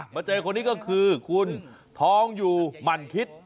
เจอคนนี้ก็คือคุณทองอยู่หมั่นคิด